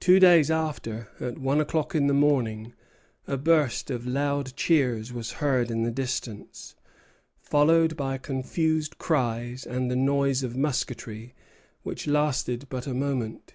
Two days after, at one o'clock in the morning, a burst of loud cheers was heard in the distance, followed by confused cries and the noise of musketry, which lasted but a moment.